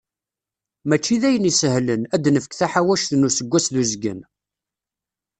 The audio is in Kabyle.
Mačči d ayen isehlen, ad d-nefk taḥawact n useggas d uzgen.